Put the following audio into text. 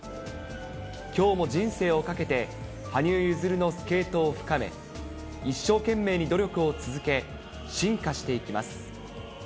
きょうも人生をかけて、羽生結弦のスケートを深め、一生懸命に努力を続け、進化していきます。